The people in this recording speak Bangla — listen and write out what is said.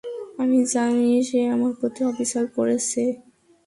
আমি জানি সে আমার প্রতি অবিচার করেছে!